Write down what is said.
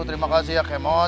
terima kasih ya kemot